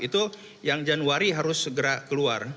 itu yang januari harus segera keluar